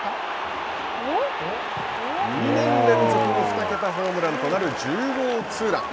２年連続の２桁ホームランとなる１０号ツーラン。